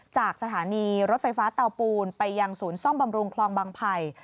จากสถานีรถไฟฟ้าเตาปูนไปยังศูนย์ซ่อมบำรุงคลองบางไผ่